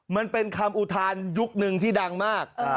มันเป็นคำอุทานยุคนึงที่ดังมาก